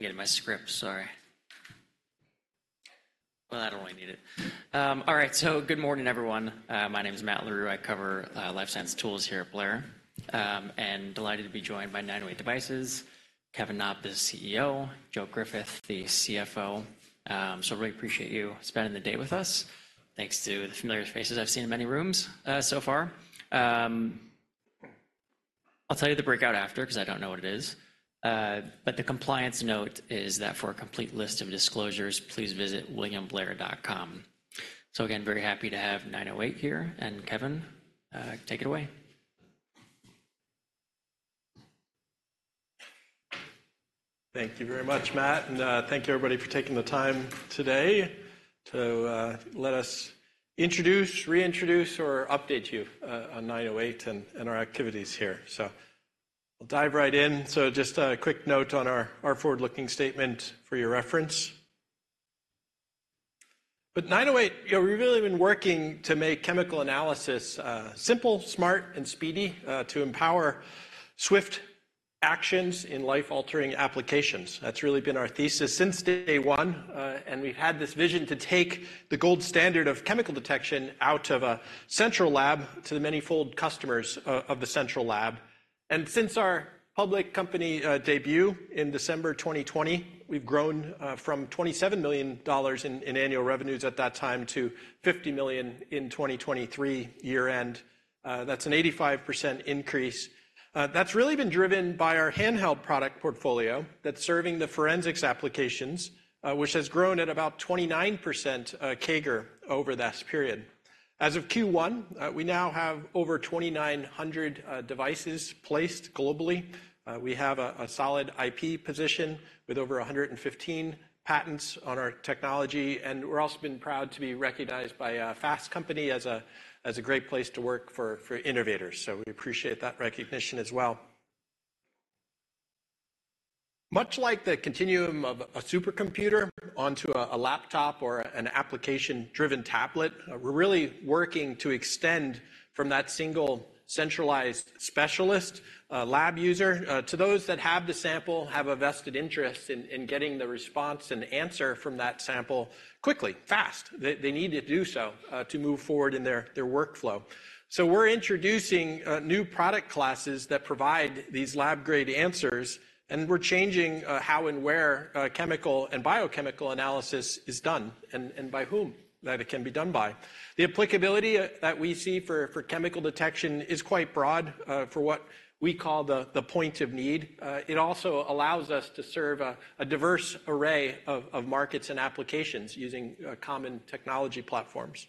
Getting my script, sorry. Well, I don't really need it. All right, so good morning, everyone. My name is Matt Larew. I cover life science tools here at Blair, and delighted to be joined by 908 Devices, Kevin Knopp, the CEO, Joe Griffith, the CFO. So really appreciate you spending the day with us. Thanks to the familiar faces I've seen in many rooms so far. I'll tell you the breakout after, 'cause I don't know what it is, but the compliance note is that for a complete list of disclosures, please visit williamblair.com. So again, very happy to have 908 here, and Kevin, take it away. Thank you very much, Matt, and thank you, everybody, for taking the time today to let us introduce, reintroduce, or update you on 908 and our activities here. So we'll dive right in. So just a quick note on our forward-looking statement for your reference. But 908, you know, we've really been working to make chemical analysis simple, smart, and speedy to empower swift actions in life-altering applications. That's really been our thesis since day one, and we've had this vision to take the gold standard of chemical detection out of a central lab to the manyfold customers of the central lab. And since our public company debut in December 2020, we've grown from $27 million in annual revenues at that time to $50 million in 2023 year-end. That's an 85% increase. That's really been driven by our handheld product portfolio that's serving the forensics applications, which has grown at about 29% CAGR over this period. As of Q1, we now have over 2,900 devices placed globally. We have a solid IP position with over 115 patents on our technology, and we're also been proud to be recognized by Fast Company as a great place to work for innovators. So we appreciate that recognition as well. Much like the continuum of a supercomputer onto a laptop or an application-driven tablet, we're really working to extend from that single, centralized specialist lab user to those that have the sample, have a vested interest in getting the response and answer from that sample quickly, fast. They need to do so to move forward in their workflow. So we're introducing new product classes that provide these lab-grade answers, and we're changing how and where chemical and biochemical analysis is done and by whom that it can be done by. The applicability that we see for chemical detection is quite broad for what we call the point of need. It also allows us to serve a diverse array of markets and applications using common technology platforms.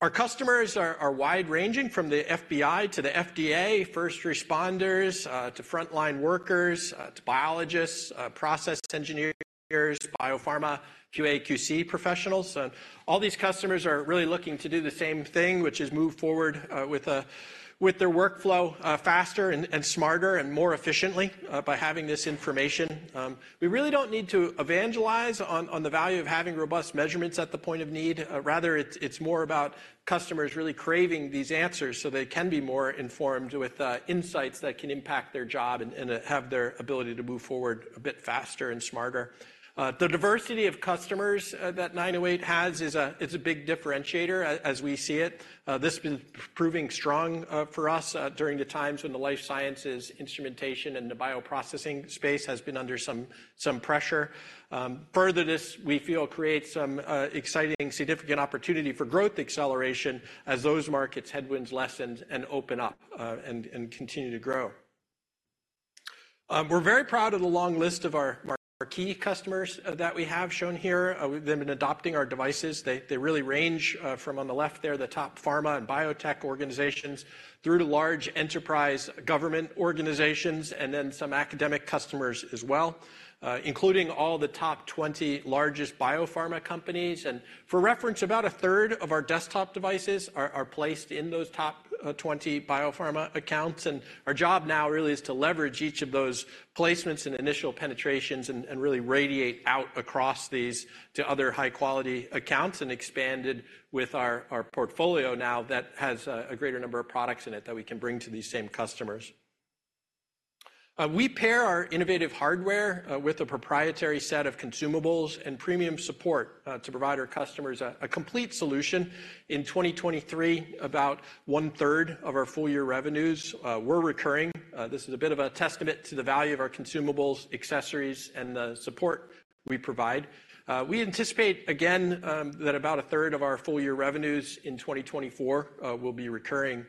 Our customers are wide-ranging, from the FBI to the FDA, first responders to frontline workers to biologists, process engineers, biopharma, QA, QC professionals. And all these customers are really looking to do the same thing, which is move forward with a... with their workflow, faster and smarter and more efficiently, by having this information. We really don't need to evangelize on the value of having robust measurements at the point of need. Rather, it's more about customers really craving these answers so they can be more informed with insights that can impact their job and have their ability to move forward a bit faster and smarter. The diversity of customers that 908 has is a big differentiator as we see it. This has been proving strong for us during the times when the life sciences, instrumentation, and the bioprocessing space has been under some pressure. Further this, we feel, creates some exciting, significant opportunity for growth acceleration as those markets' headwinds lessen and open up, and continue to grow. We're very proud of the long list of our key customers that we have shown here with them in adopting our devices. They really range from on the left there, the top pharma and biotech organizations, through to large enterprise government organizations, and then some academic customers as well, including all the top 20 largest biopharma companies. For reference, about a third of our desktop devices are placed in those top 20 biopharma accounts, and our job now really is to leverage each of those placements and initial penetrations and really radiate out across these to other high-quality accounts and expanded with our portfolio now that has a greater number of products in it that we can bring to these same customers. We pair our innovative hardware with a proprietary set of consumables and premium support to provide our customers a complete solution. In 2023, about one-third of our full-year revenues were recurring. This is a bit of a testament to the value of our consumables, accessories, and the support we provide. We anticipate again that about a third of our full-year revenues in 2024 will be recurring.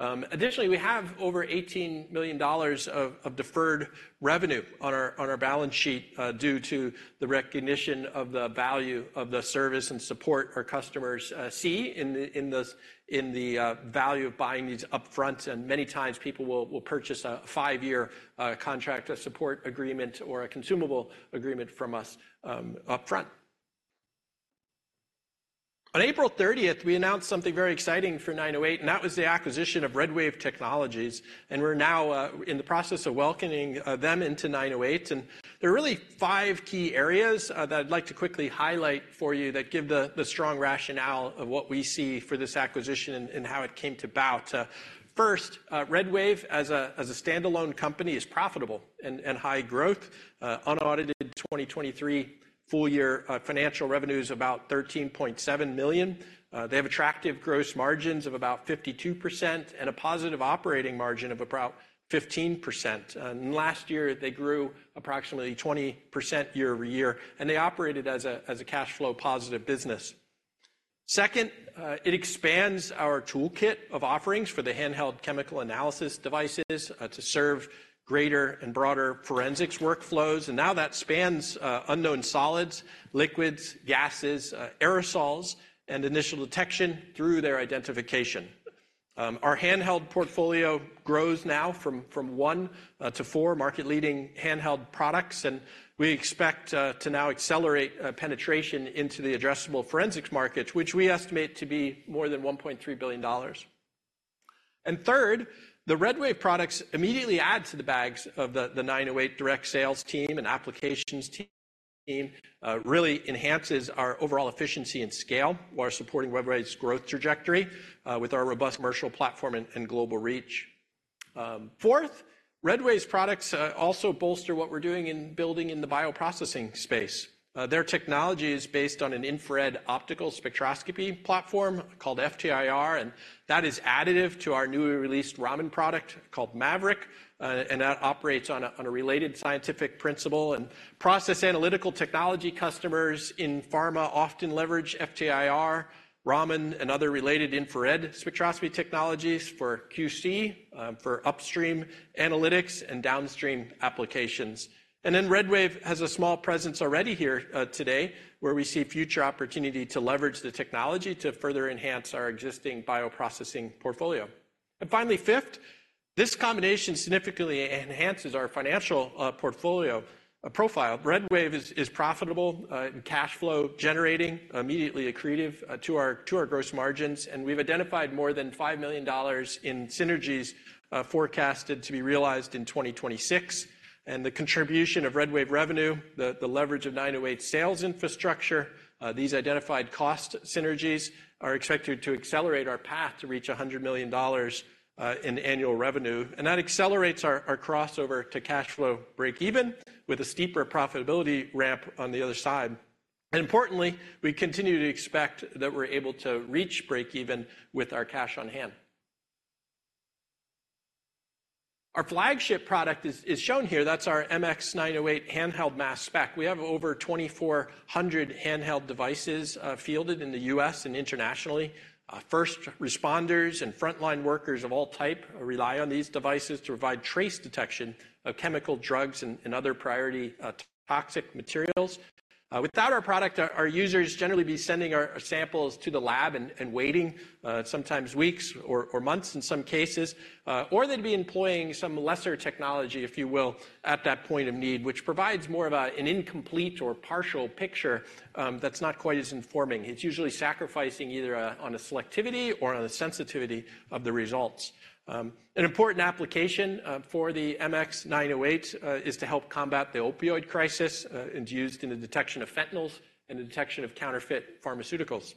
Additionally, we have over $18 million of deferred revenue on our balance sheet due to the recognition of the value of the service and support our customers see in the value of buying these upfront. Many times, people will purchase a five year contract, a support agreement, or a consumable agreement from us upfront. On April 30th, we announced something very exciting for 908, and that was the acquisition of RedWave Technology, and we're now in the process of welcoming them into 908. There are really five key areas that I'd like to quickly highlight for you that give the strong rationale of what we see for this acquisition and how it came about. First, RedWave as a standalone company is profitable and high growth. Unaudited 2023 full year financial revenue is about $13.7 million. They have attractive gross margins of about 52% and a positive operating margin of about 15%. Last year, they grew approximately 20% year-over-year, and they operated as a cash flow positive business. Second, it expands our toolkit of offerings for the handheld chemical analysis devices to serve greater and broader forensics workflows, and now that spans unknown solids, liquids, gases, aerosols, and initial detection through their identification. Our handheld portfolio grows now from 1-4 market-leading handheld products, and we expect to now accelerate penetration into the addressable forensics market, which we estimate to be more than $1.3 billion. And third, the RedWave products immediately add to the bags of the 908 direct sales team and applications team, really enhances our overall efficiency and scale while supporting RedWave's growth trajectory with our robust commercial platform and global reach. Fourth, RedWave's products also bolster what we're doing in building in the bioprocessing space. Their technology is based on an infrared optical spectroscopy platform called FTIR, and that is additive to our newly released Raman product called Maverick, and that operates on a related scientific principle. Process Analytical Technology customers in pharma often leverage FTIR, Raman, and other related infrared spectroscopy technologies for QC, for upstream analytics and downstream applications. And then RedWave has a small presence already here, today, where we see future opportunity to leverage the technology to further enhance our existing bioprocessing portfolio. And finally, fifth, this combination significantly enhances our financial portfolio profile. RedWave is profitable and cash flow generating, immediately accretive to our gross margins, and we've identified more than $5 million in synergies, forecasted to be realized in 2026. The contribution of RedWave revenue, the leverage of 908 sales infrastructure, these identified cost synergies are expected to accelerate our path to reach $100 million in annual revenue, and that accelerates our crossover to cash flow break even with a steeper profitability ramp on the other side. And importantly, we continue to expect that we're able to reach break even with our cash on hand. Our flagship product is shown here. That's our MX908 handheld mass spec. We have over 2,400 handheld devices fielded in the U.S. and internationally. First responders and frontline workers of all type rely on these devices to provide trace detection of chemical drugs and other priority toxic materials. Without our product, our users generally would be sending samples to the lab and waiting, sometimes weeks or months in some cases, or they'd be employing some lesser technology, if you will, at that point of need, which provides more of an incomplete or partial picture, that's not quite as informing. It's usually sacrificing either on the selectivity or on the sensitivity of the results. An important application for the MX908 is to help combat the opioid crisis and used in the detection of fentanyls and the detection of counterfeit pharmaceuticals.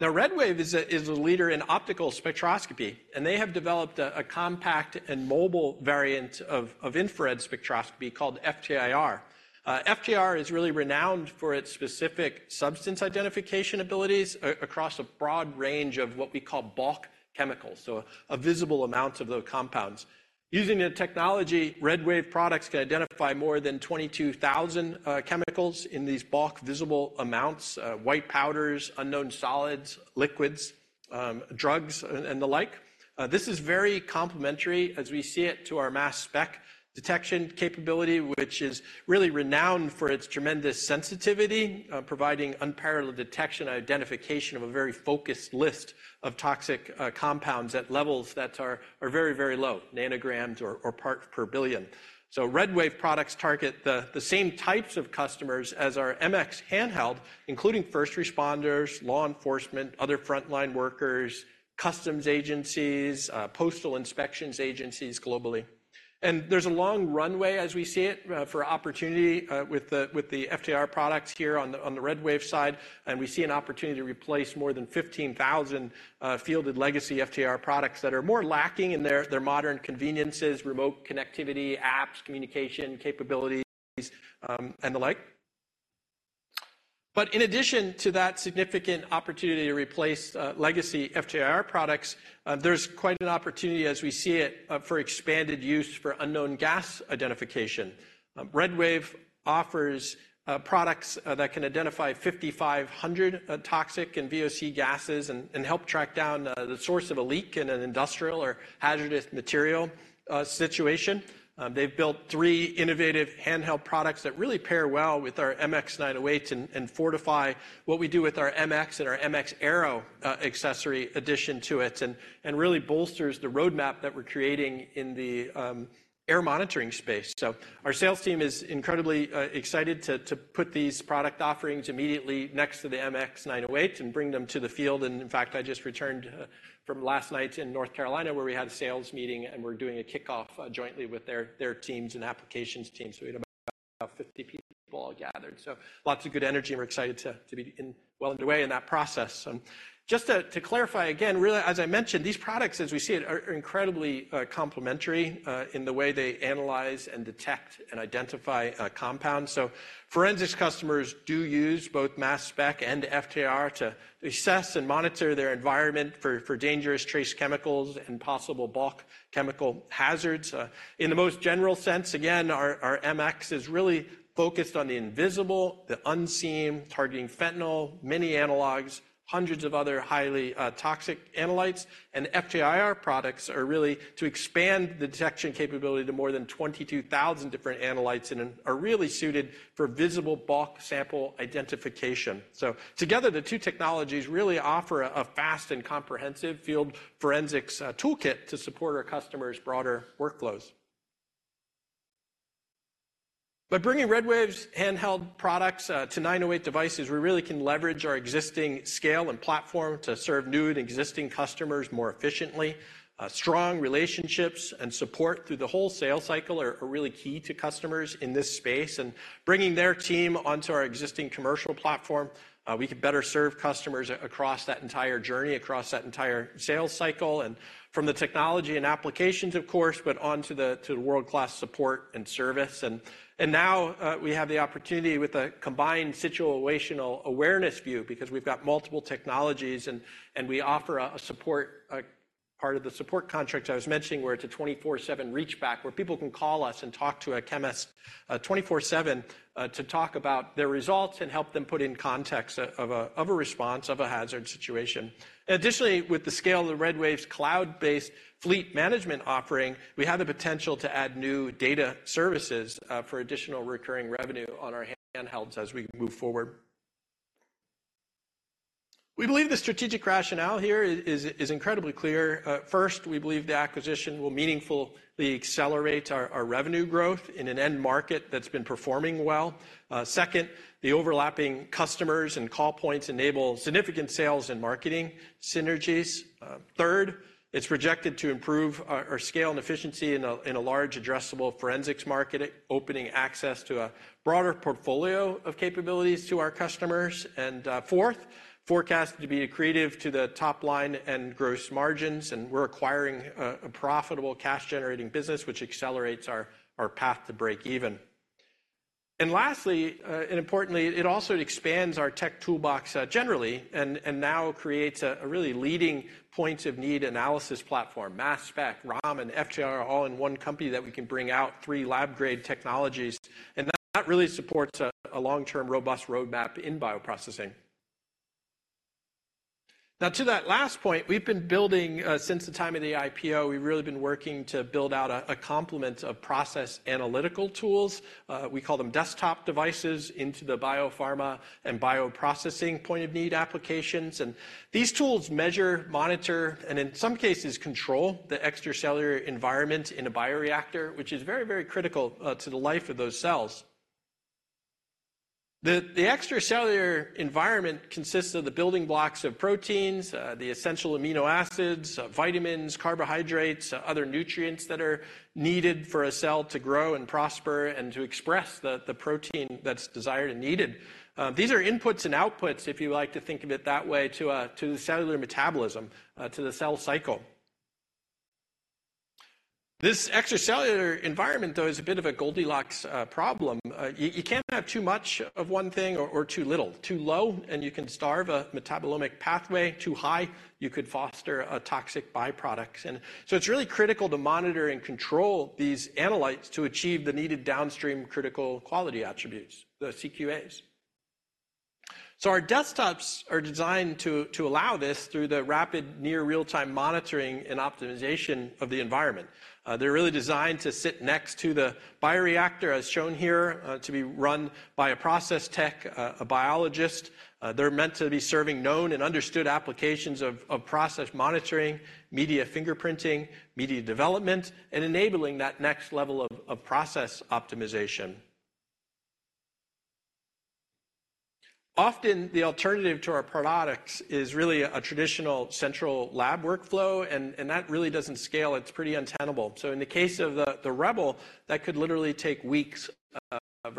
Now, RedWave is a leader in optical spectroscopy, and they have developed a compact and mobile variant of infrared spectroscopy called FTIR. FTIR is really renowned for its specific substance identification abilities across a broad range of what we call bulk chemicals, so a visible amount of the compounds. Using the technology, RedWave products can identify more than 22,000 chemicals in these bulk visible amounts, white powders, unknown solids, liquids, drugs, and the like. This is very complementary as we see it to our mass spec detection capability, which is really renowned for its tremendous sensitivity, providing unparalleled detection and identification of a very focused list of toxic compounds at levels that are very, very low, nanograms or parts per billion. So RedWave products target the same types of customers as our MX handheld, including first responders, law enforcement, other frontline workers, customs agencies, postal inspections agencies globally. And there's a long runway, as we see it, for opportunity, with the FTIR products here on the RedWave side, and we see an opportunity to replace more than 15,000 fielded legacy FTIR products that are more lacking in their modern conveniences, remote connectivity, apps, communication capabilities, and the like. But in addition to that significant opportunity to replace legacy FTIR products, there's quite an opportunity as we see it, for expanded use for unknown gas identification. RedWave offers products that can identify 5,500 toxic and VOC gases and help track down the source of a leak in an industrial or hazardous material situation. They've built three innovative handheld products that really pair well with our MX908 and fortify what we do with our MX and our MX Aero, accessory addition to it and really bolsters the roadmap that we're creating in the air monitoring space. So our sales team is incredibly excited to put these product offerings immediately next to the MX908 and bring them to the field. And in fact, I just returned from last night in North Carolina, where we had a sales meeting, and we're doing a kickoff jointly with their teams and applications team, so we had about 50 people all gathered. So lots of good energy, and we're excited to be well underway in that process. Just to clarify again, really, as I mentioned, these products, as we see it, are incredibly complementary in the way they analyze and detect and identify compounds. So forensics customers do use both mass spec and FTIR to assess and monitor their environment for dangerous trace chemicals and possible bulk chemical hazards. In the most general sense, again, our MX is really focused on the invisible, the unseen, targeting fentanyl, many analogs, hundreds of other highly toxic analytes. And FTIR products are really to expand the detection capability to more than 22,000 different analytes and are really suited for visible bulk sample identification. So together, the two technologies really offer a fast and comprehensive field forensics toolkit to support our customers' broader workflows. By bringing RedWave's handheld products to 908 Devices, we really can leverage our existing scale and platform to serve new and existing customers more efficiently. Strong relationships and support through the whole sales cycle are really key to customers in this space. And bringing their team onto our existing commercial platform, we can better serve customers across that entire journey, across that entire sales cycle, and from the technology and applications, of course, but on to the world-class support and service. Now we have the opportunity with a combined situational awareness view because we've got multiple technologies and we offer a part of the support contract I was mentioning, where it's a 24/7 reach back, where people can call us and talk to a chemist 24/7 to talk about their results and help them put in context of a response, of a hazard situation. Additionally, with the scale of the RedWave's cloud-based fleet management offering, we have the potential to add new data services for additional recurring revenue on our handhelds as we move forward. We believe the strategic rationale here is incredibly clear. First, we believe the acquisition will meaningfully accelerate our revenue growth in an end market that's been performing well. Second, the overlapping customers and call points enable significant sales and marketing synergies. Third, it's projected to improve our scale and efficiency in a large addressable forensics market, opening access to a broader portfolio of capabilities to our customers. And fourth, forecasted to be accretive to the top line and gross margins, and we're acquiring a profitable cash-generating business, which accelerates our path to break even. And lastly, and importantly, it also expands our tech toolbox, generally, and now creates a really leading point-of-need analysis platform, mass spec, Raman, and FTIR, all in one company that we can bring out three lab-grade technologies. And that really supports a long-term, robust roadmap in bioprocessing. Now, to that last point, we've been building since the time of the IPO. We've really been working to build out a complement of process analytical tools. We call them desktop devices into the biopharma and bioprocessing point-of-need applications. And these tools measure, monitor, and in some cases, control the extracellular environment in a bioreactor, which is very, very critical to the life of those cells. The extracellular environment consists of the building blocks of proteins, the essential amino acids, vitamins, carbohydrates, other nutrients that are needed for a cell to grow and prosper and to express the protein that's desired and needed. These are inputs and outputs, if you like to think of it that way, to the cellular metabolism, to the cell cycle. This extracellular environment, though, is a bit of a Goldilocks problem. You can't have too much of one thing or too little. Too low, and you can starve a metabolomic pathway. Too high, you could foster toxic byproducts. So it's really critical to monitor and control these analytes to achieve the needed downstream critical quality attributes, the CQAs. Our desktops are designed to allow this through the rapid, near real-time monitoring and optimization of the environment. They're really designed to sit next to the bioreactor, as shown here, to be run by a process tech, a biologist. They're meant to be serving known and understood applications of process monitoring, media fingerprinting, media development, and enabling that next level of process optimization. Often, the alternative to our products is really a traditional central lab workflow, and that really doesn't scale. It's pretty untenable. So in the case of the Rebel, that could literally take weeks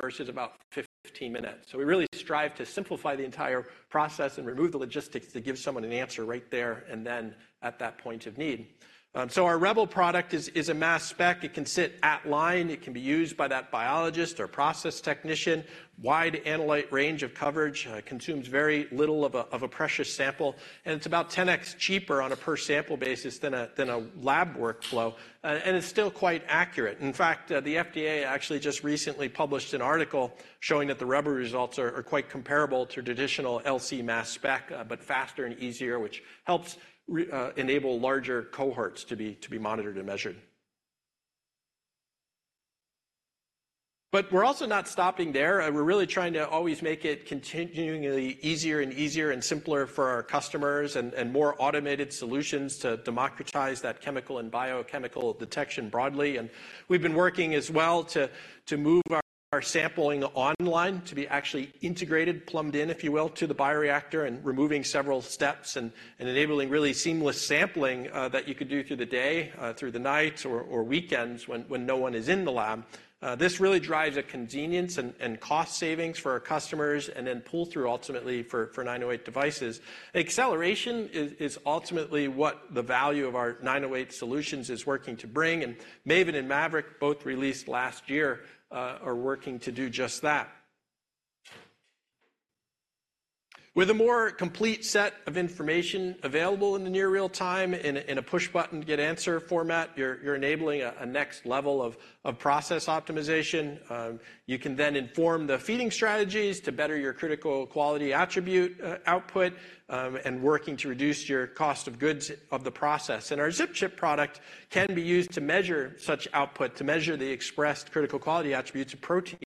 versus about 15 minutes. So we really strive to simplify the entire process and remove the logistics to give someone an answer right there and then at that point of need. So our Rebel product is a mass spec. It can sit at line. It can be used by that biologist or process technician. Wide analyte range of coverage, consumes very little of a precious sample, and it's about 10x cheaper on a per-sample basis than a lab workflow, and it's still quite accurate. In fact, the FDA actually just recently published an article showing that the Rebel results are quite comparable to traditional LC-mass spec, but faster and easier, which helps enable larger cohorts to be monitored and measured. But we're also not stopping there, and we're really trying to always make it continually easier and easier and simpler for our customers, and more automated solutions to democratize that chemical and biochemical detection broadly. And we've been working as well to move our sampling online to be actually integrated, plumbed in, if you will, to the bioreactor, and removing several steps and enabling really seamless sampling that you could do through the day, through the night or weekends when no one is in the lab. This really drives a convenience and cost savings for our customers, and then pull through ultimately for 908 devices. Acceleration is ultimately what the value of our 908 solutions is working to bring, and Maven and Maverick, both released last year, are working to do just that. With a more complete set of information available in the near real time, in a push button, get answer format, you're enabling a next level of process optimization. You can then inform the feeding strategies to better your critical quality attribute output, and working to reduce your cost of goods of the process. And our ZipChip product can be used to measure such output, to measure the expressed critical quality attributes of proteins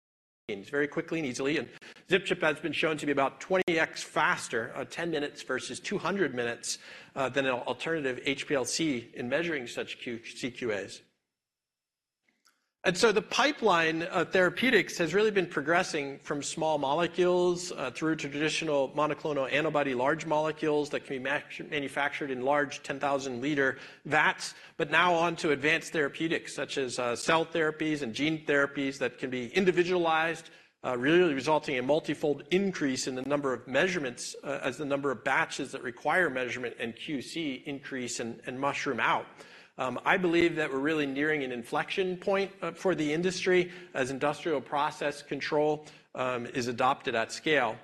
very quickly and easily. And ZipChip has been shown to be about 20x faster, 10 minutes versus 200 minutes, than an alternative HPLC in measuring such CQAs. The pipeline of therapeutics has really been progressing from small molecules through to traditional monoclonal antibody large molecules that can be manufactured in large 10,000 L vats, but now on to advanced therapeutics, such as cell therapies and gene therapies that can be individualized, really resulting in multifold increase in the number of measurements as the number of batches that require measurement and QC increase and mushroom out. I believe that we're really nearing an inflection point for the industry as industrial process control is adopted at scale.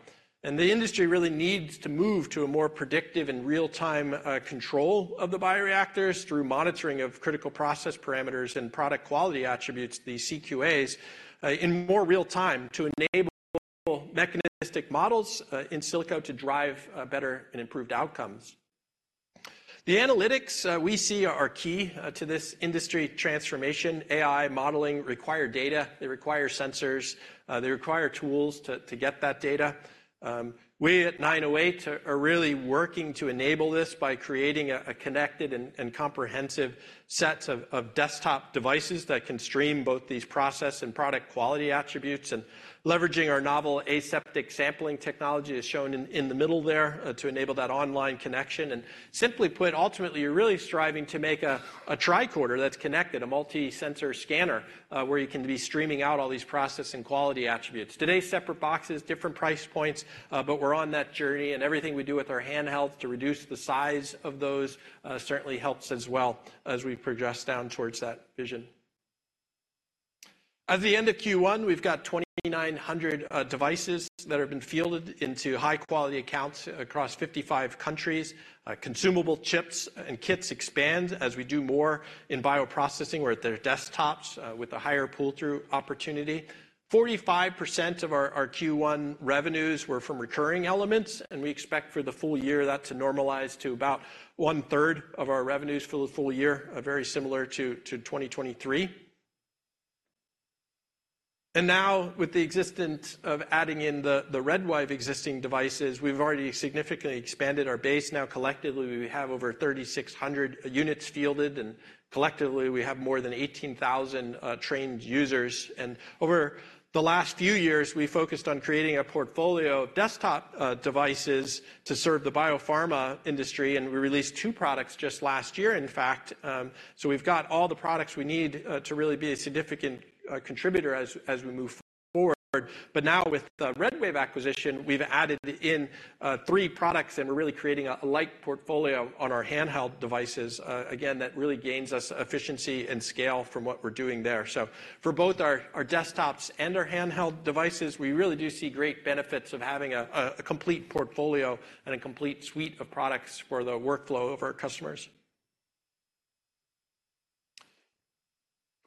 The industry really needs to move to a more predictive and real-time control of the bioreactors through monitoring of critical process parameters and product quality attributes, the CQAs, in more real time to enable mechanistic models in silico to drive better and improved outcomes. The analytics we see are key to this industry transformation. AI modeling require data, they require sensors, they require tools to get that data. We at 908 are really working to enable this by creating a connected and comprehensive sets of desktop devices that can stream both these process and product quality attributes, and leveraging our novel aseptic sampling technology, as shown in the middle there, to enable that online connection. Simply put, ultimately, you're really striving to make a tricorder that's connected, a multi-sensor scanner, where you can be streaming out all these process and quality attributes. Today's separate boxes, different price points, but we're on that journey, and everything we do with our handheld to reduce the size of those, certainly helps as well as we progress down towards that vision. At the end of Q1, we've got 2,900 devices that have been fielded into high-quality accounts across 55 countries. Consumable chips and kits expand as we do more in bioprocessing or at their desktops, with a higher pull-through opportunity. 45% of our Q1 revenues were from recurring elements, and we expect for the full year that to normalize to about one-third of our revenues for the full year, very similar to 2023. And now, with the existence of adding in the RedWave existing devices, we've already significantly expanded our base. Now, collectively, we have over 3,600 units fielded, and collectively, we have more than 18,000 trained users. Over the last few years, we focused on creating a portfolio of desktop devices to serve the biopharma industry, and we released two products just last year, in fact. So we've got all the products we need to really be a significant contributor as we move forward. But now with the RedWave acquisition, we've added in three products, and we're really creating a light portfolio on our handheld devices. Again, that really gains us efficiency and scale from what we're doing there. So for both our desktops and our handheld devices, we really do see great benefits of having a complete portfolio and a complete suite of products for the workflow of our customers.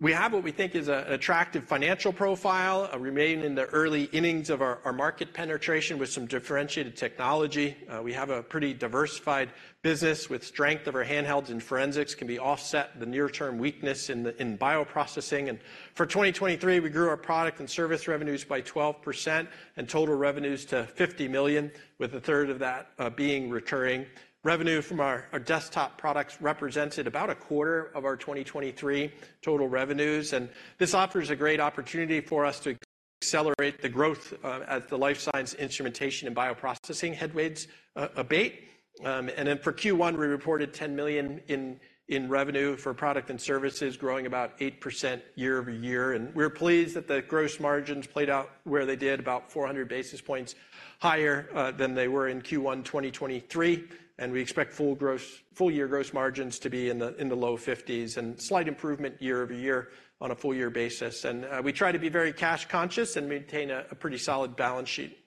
We have what we think is an attractive financial profile. We remain in the early innings of our market penetration with some differentiated technology. We have a pretty diversified business with strength of our handhelds and forensics, can be offset the near-term weakness in the in bioprocessing. For 2023, we grew our product and service revenues by 12% and total revenues to $50 million, with a third of that being recurring. Revenue from our desktop products represented about a quarter of our 2023 total revenues, and this offers a great opportunity for us to accelerate the growth as the life science instrumentation and bioprocessing headwinds abate. Then for Q1, we reported $10 million in revenue for product and services, growing about 8% year-over-year. We're pleased that the gross margins played out where they did, about 400 basis points higher than they were in Q1 2023. We expect full year gross margins to be in the low 50%s, and slight improvement year-over-year on a full year basis. We try to be very cash conscious and maintain a pretty solid balance sheet.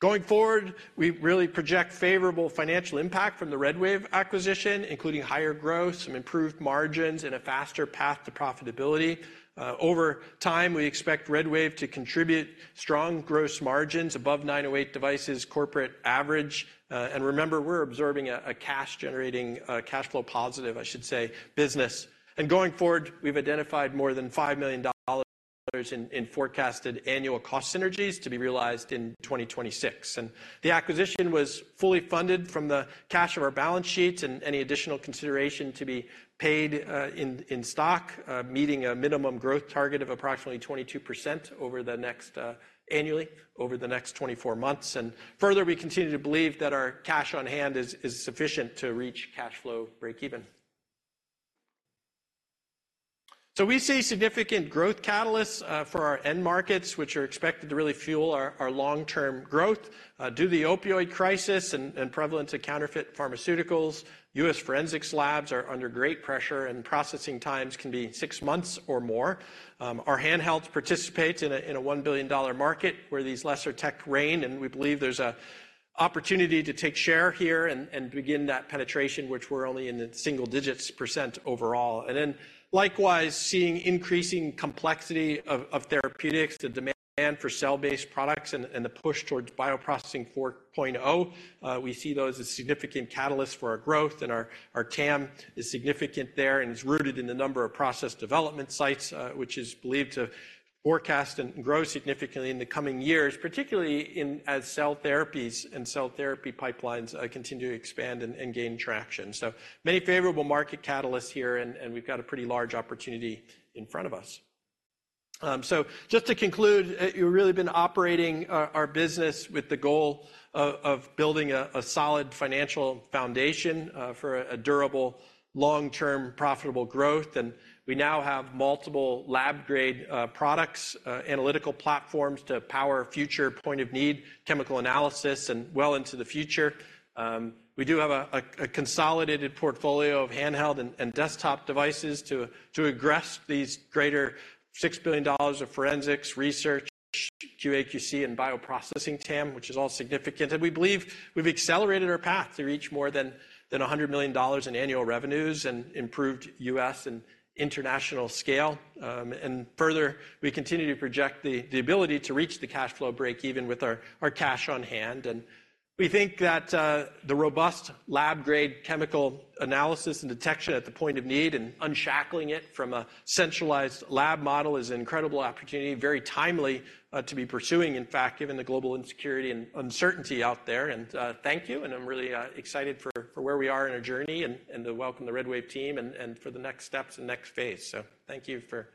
Going forward, we really project favorable financial impact from the RedWave acquisition, including higher growth, some improved margins, and a faster path to profitability. Over time, we expect RedWave to contribute strong gross margins above 908 Devices corporate average. And remember, we're absorbing a cash-generating, cash flow positive, I should say, business. Going forward, we've identified more than $5 million in forecasted annual cost synergies to be realized in 2026. The acquisition was fully funded from the cash of our balance sheets, and any additional consideration to be paid in stock, meeting a minimum growth target of approximately 22% over the next annually, over the next 24 months. Further, we continue to believe that our cash on hand is sufficient to reach cash flow breakeven. We see significant growth catalysts for our end markets, which are expected to really fuel our long-term growth. Due to the opioid crisis and prevalence of counterfeit pharmaceuticals, U.S. forensics labs are under great pressure, and processing times can be six months or more. Our handheld participates in a $1 billion market where these lesser techs reign, and we believe there's an opportunity to take share here and begin that penetration, which we're only in the single digits percent overall. And then likewise, seeing increasing complexity of therapeutics, the demand for cell-based products, and the push towards Bioprocessing 4.0, we see those as significant catalysts for our growth, and our TAM is significant there and is rooted in the number of process development sites, which is believed to forecast and grow significantly in the coming years, particularly in... as cell therapies and cell therapy pipelines continue to expand and gain traction. So many favorable market catalysts here and we've got a pretty large opportunity in front of us. So just to conclude, we've really been operating our business with the goal of building a solid financial foundation for a durable, long-term, profitable growth. We now have multiple lab-grade products, analytical platforms to power future point-of-need chemical analysis and well into the future. We do have a consolidated portfolio of handheld and desktop devices to address this greater $6 billion of forensics, research, QA/QC, and bioprocessing TAM, which is all significant. We believe we've accelerated our path to reach more than $100 million in annual revenues and improved U.S. and international scale. Further, we continue to project the ability to reach the cash flow breakeven with our cash on hand. And we think that the robust lab-grade chemical analysis and detection at the point of need and unshackling it from a centralized lab model is an incredible opportunity, very timely to be pursuing, in fact, given the global insecurity and uncertainty out there. And thank you, and I'm really excited for, for where we are in our journey and, and to welcome the RedWave team and, and for the next steps and next phase. So thank you for-